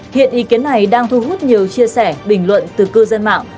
hiện ý kiến này đang thu hút nhiều chia sẻ bình luận từ cư dân mạng